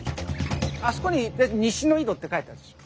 あそこに西の井戸って書いてあるでしょ。